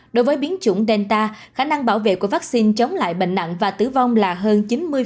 đối với biến chủng delta khả năng bảo vệ của vaccine chống lại bệnh nặng và tử vong là hơn chín mươi